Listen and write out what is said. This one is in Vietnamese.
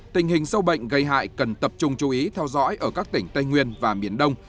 tình hình sâu bệnh gây hại cần tập trung chú ý theo dõi ở các tỉnh tây nguyên và miền đông